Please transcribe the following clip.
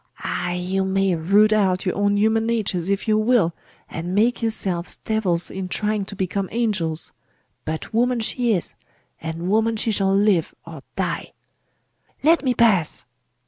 Ay, you may root out your own human natures if you will, and make yourselves devils in trying to become angels: but woman she is, and woman she shall live or die!' 'Let me pass!